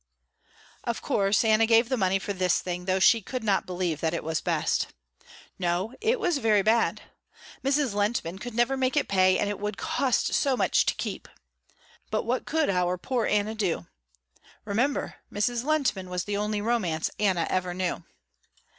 Of course Anna gave the money for this thing though she could not believe that it was best. No, it was very bad. Mrs. Lehntman could never make it pay and it would cost so much to keep. But what could our poor Anna do? Remember Mrs. Lehntman was the only romance Anna ever knew.